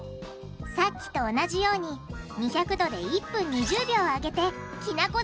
さっきと同じように２００℃で１分２０秒揚げてきな粉